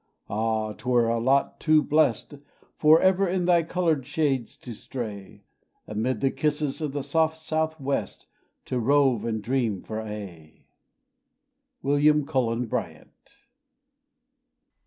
Ah! 'twere a lot too blessed Forever in thy colored shades to stray; Amid the kisses of the soft southwest To rove and dream for aye. William Cullen Bryant.